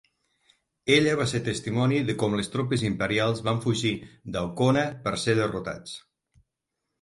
Ella va ser testimoni de com les tropes imperials van fugir d'Aucona per ser derrotats.